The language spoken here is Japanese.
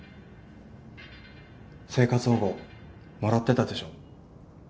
生活保護もらってたでしょう？